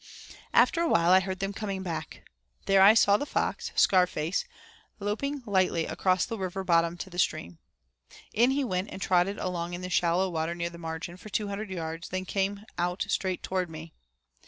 After awhile I heard them coming back. There I saw the fox Scarface loping lightly across the river bottom to the stream. In he went and trotted along in the shallow water near the margin for two hundred yards, then came out straight toward me.